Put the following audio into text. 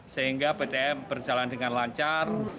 sehingga ptm berjalan dengan lancar